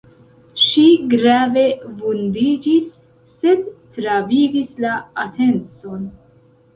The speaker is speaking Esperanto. Ŝi grave vundiĝis, sed travivis la atencon.